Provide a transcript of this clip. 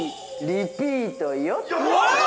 リピート？